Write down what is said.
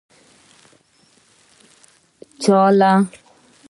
چا له.